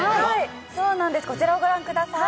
そうなんです、こちらご覧ください。